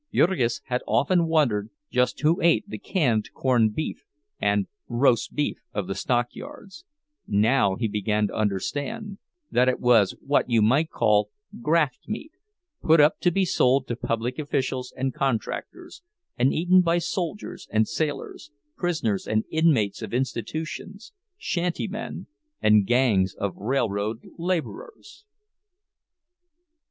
Jurgis had often wondered just who ate the canned corned beef and "roast beef" of the stockyards; now he began to understand—that it was what you might call "graft meat," put up to be sold to public officials and contractors, and eaten by soldiers and sailors, prisoners and inmates of institutions, "shantymen" and gangs of railroad laborers.